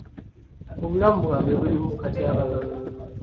Obulamu bwange buli mu katyabaga.